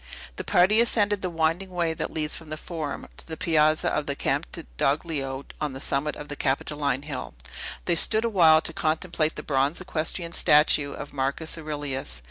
The party ascended the winding way that leads from the Forum to the Piazza of the Campidoglio on the summit of the Capitoline Hill. They stood awhile to contemplate the bronze equestrian statue of Marcus Aurelius.